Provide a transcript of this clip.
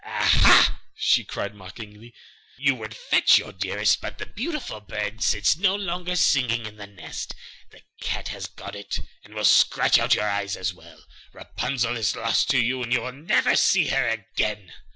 'Aha!' she cried mockingly, 'you would fetch your dearest, but the beautiful bird sits no longer singing in the nest; the cat has got it, and will scratch out your eyes as well. Rapunzel is lost to you; you will never see her again.